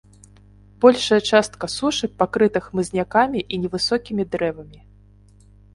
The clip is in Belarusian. Большая частка сушы пакрыта хмызнякамі і невысокімі дрэвамі.